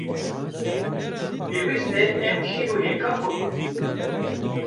Pêwîst e em şîr û hêkan bixwin.